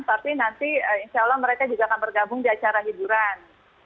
tapi nanti insya allah mereka juga akan bergabung di acara hiburan